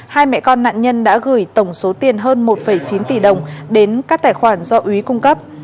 hai mẹ con nạn nhân đã gửi tổng số tiền hơn một chín tỷ đồng đến các tài khoản do úy cung cấp